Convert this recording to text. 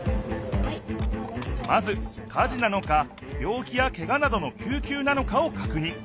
まず火事なのかびょう気やけがなどの救急なのかをかくにん。